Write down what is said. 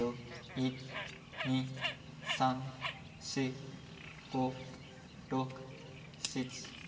１２３４５６７。